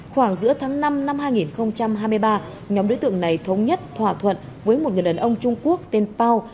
khoảng giữa tháng năm năm hai nghìn hai mươi ba nhóm đối tượng này thống nhất thỏa thuận với một người đàn ông trung quốc tên pao